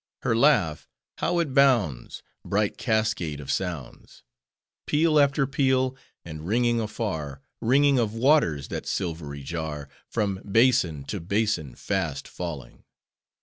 Her laugh! How it bounds! Bright cascade of sounds! Peal after peal, and ringing afar,— Ringing of waters, that silvery jar, From basin to basin fast falling!